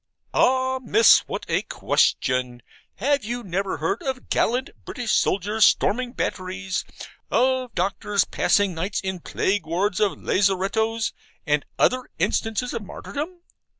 Ah, Miss, what a question! Have you never heard of gallant British soldiers storming batteries, of doctors passing nights in plague wards of lazarettos, and other instances of martyrdom?